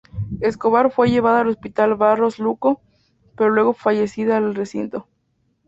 Escobar fue llevada al Hospital Barros Luco, pero llegó fallecida al recinto.